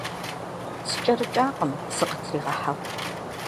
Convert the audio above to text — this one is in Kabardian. СкӀэрыкӀакъым, сыкъытригъэхьэху.